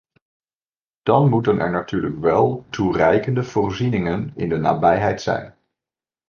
Dan moeten er natuurlijk wel toereikende voorzieningen in de nabijheid zijn.